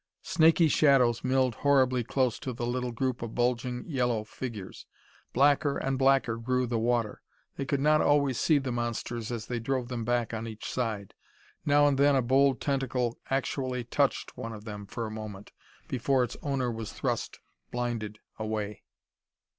Snaky shadows milled horribly close to the little group of bulging yellow figures. Blacker and blacker grew the water; they could not always see the monsters as they drove them back on each side. Now and then a bold tentacle actually touched one of them for a moment before its owner was thrust, blinded, away.